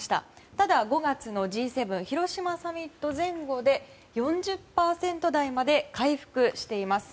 ただ、５月のＧ７広島サミット前後で４０％台まで回復しています。